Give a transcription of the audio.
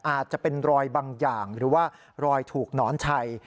อาจจะเป็นรอยบางอย่างหรือว่ารอยถูกหนอนชัย